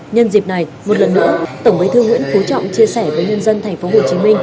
nhân dịp này một lần nữa tổng bí thư nguyễn phú trọng chia sẻ với nhân dân tp hcm